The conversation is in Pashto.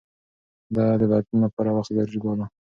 ده د بدلون لپاره وخت ضروري باله.